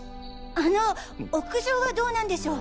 あの屋上はどうなんでしょう？